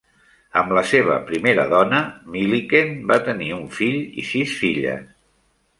Amb la seva primera dona, Milliken va tenir un fill i sis filles.